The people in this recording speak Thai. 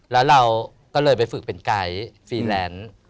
แล้วเราก็เลยไปฝึกเป็นไกด์ฟรีแลนซ์